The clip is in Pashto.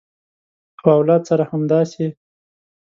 او اولاد سره همداسې